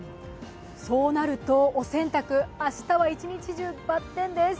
そうなると、お洗濯、明日は一日中バッテンです。